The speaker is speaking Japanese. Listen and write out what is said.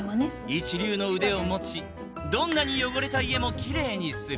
一流の腕を持ちどんなに汚れた家もきれいにする